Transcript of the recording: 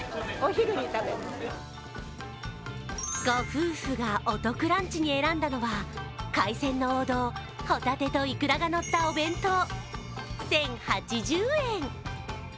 ご夫婦がお得ランチに選んだのは海鮮の王道、ホタテとイクラがのったお弁当１０８０円。